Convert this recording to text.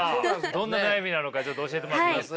どんな悩みなのかちょっと教えてもらっていいですか。